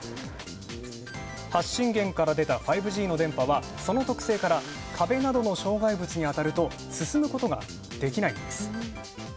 発信源から出た５Ｇの電波はその特性から、壁等の障害物に当たると進むことができないんです。